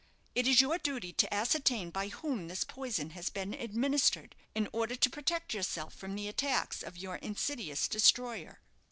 It is your duty to ascertain by whom this poison has been administered, in order to protect yourself from the attacks of your insidious destroyer.